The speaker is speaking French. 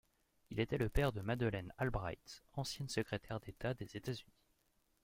Il était le père de Madeleine Albright, ancienne secrétaire d'État des États-Unis.